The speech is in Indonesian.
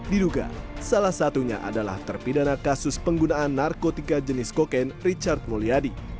diduga salah satunya adalah terpidana kasus penggunaan narkotika jenis kokain richard mulyadi